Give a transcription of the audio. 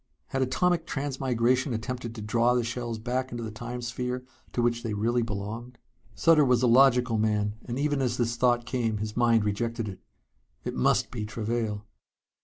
Had atomic transmigration attempted to draw the shells back into the Time sphere to which they really belonged? Sutter was a logical man, and even as this thought came his mind rejected it. It must be Travail.